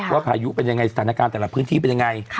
พายุเป็นยังไงสถานการณ์แต่ละพื้นที่เป็นยังไง